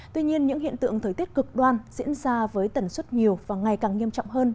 tuy nhiên những hiện tượng thời tiết cực đoan diễn ra với tần suất nhiều và ngày càng nghiêm trọng hơn